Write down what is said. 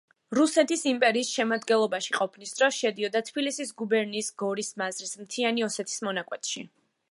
რუსეთის იმპერიის შემადგენლობაში ყოფნის დროს შედიოდა თბილისის გუბერნიის გორის მაზრის მთიანი ოსეთის მონაკვეთში.